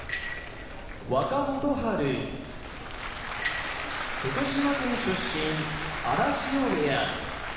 若元春福島県出身荒汐部屋